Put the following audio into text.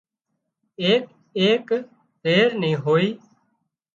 ايڪ ايڪ زهر نِي هوئي